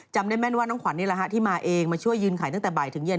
จำได้แม่นว่าน้องขวัญนี่แหละฮะที่มาเองมาช่วยยืนขายตั้งแต่บ่ายถึงเย็น